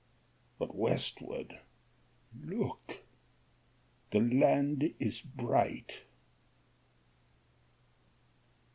But westward, look, the land is bright!